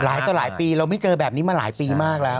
ต่อหลายปีเราไม่เจอแบบนี้มาหลายปีมากแล้ว